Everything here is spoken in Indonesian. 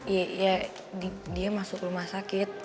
iya dia masuk rumah sakit